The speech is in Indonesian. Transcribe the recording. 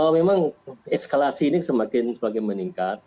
memang eskalasi ini semakin meningkat